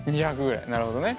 なるほどね。